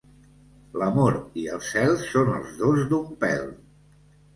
L'amor i els zels són els dos d'un pèl.